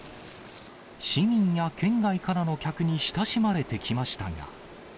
市民や県外からの客に親しまれてきましたが。